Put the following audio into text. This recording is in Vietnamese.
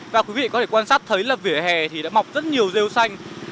và quý vị có thể quan sát thấy là vỉa hè thì đã mọc rất nhiều rêu xanh